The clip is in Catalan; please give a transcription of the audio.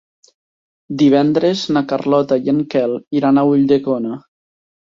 Divendres na Carlota i en Quel iran a Ulldecona.